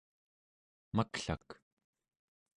maklak